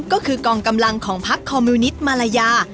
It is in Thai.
ก็คือกองกำลังของพักคอมมิวนิตมาลายา